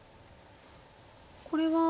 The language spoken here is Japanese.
これは。